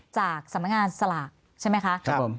จากสำงานสลากใช่ไหมครับ